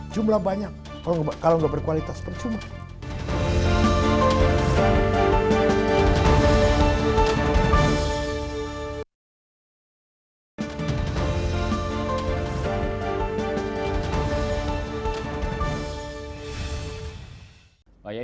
jumlah banyak kalau nggak berkualitas percuma